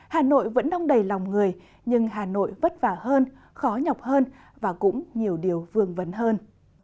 hà nội vẫn đông đầy lòng người nhưng hà nội vất vả hơn khó nhọc hơn và cũng nhiều điều vương vấn hơn